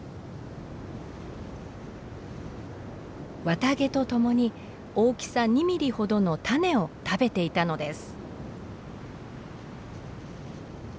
綿毛とともに大きさ２ミリほどの種を食べていたのです。